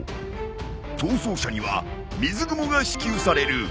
逃走者には水雲が支給される。